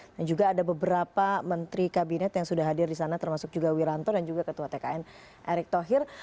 dan juga ada beberapa menteri kabinet yang sudah hadir di sana termasuk juga wiranto dan juga ketua tkn erick thohir